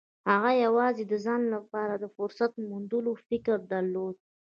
هغه يوازې د ځان لپاره د فرصت موندلو فکر درلود.